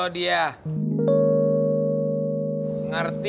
begitu dia keluar lo foto dia